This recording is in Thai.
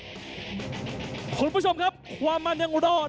ขอบคุณผู้ชมครับความมั่นยังรอด